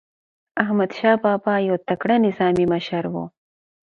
احمدشاه بابا یو تکړه نظامي مشر و.